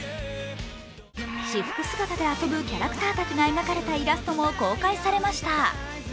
私服姿で遊ぶキャラクターたちが描かれたイラストも公開されました。